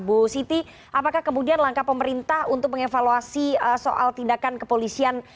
bu siti apakah kemudian langkah pemerintah untuk mengevaluasi soal tindakan kepolisian